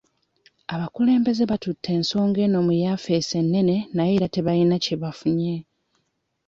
Abakulembeze battute ensonga eno mu yafeesi ennene naye era tebayina kye bafunye.